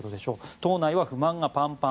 党内は不満がパンパン。